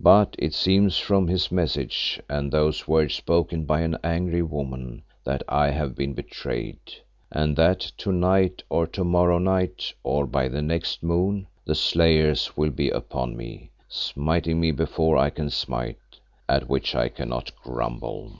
But it seems from his message and those words spoken by an angry woman, that I have been betrayed, and that to night or to morrow night, or by the next moon, the slayers will be upon me, smiting me before I can smite, at which I cannot grumble."